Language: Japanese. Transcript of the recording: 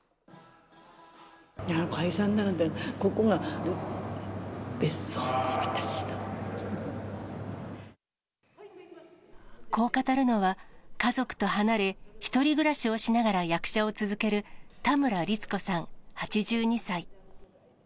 いや、解散だなんて、ここがこう語るのは、家族と離れ、１人暮らしをしながら役者を続ける田村律子さん８２歳。